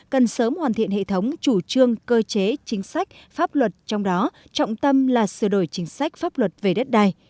cần sớm hoàn thiện hệ thống chủ trương cơ chế chính sách pháp luật trong đó trọng tâm là sửa đổi chính sách pháp luật về đất đai